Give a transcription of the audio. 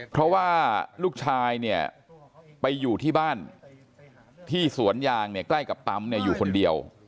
เพราะว่าลูกชายเนี่ยไปอยู่ที่บ้านที่สวนยางเนี่ยใกล้กับปั๊มเนี่ยอยู่คนเดียว